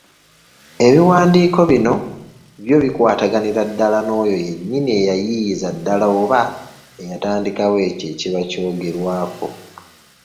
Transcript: Ebiwandiiko bino byo bikwataganira ddala n’oyo yennyini eyayiiyiza ddala oba eyatandikawo ekyo ekiba kyogerwako.